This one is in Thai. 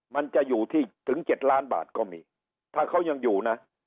มันจะอยู่ที่ถึงเจ็ดล้านบาทก็มีถ้าเขายังอยู่นะ